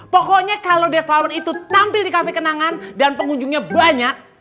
pokoknya kalau deflawan itu tampil di kafe kenangan dan pengunjungnya banyak